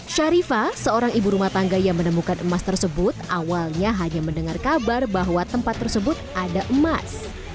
sharifa seorang ibu rumah tangga yang menemukan emas tersebut awalnya hanya mendengar kabar bahwa tempat tersebut ada emas